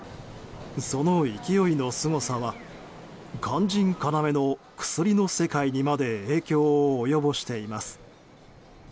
その勢いのすごさは肝心要の薬の世界にまで影響を及ぼしています。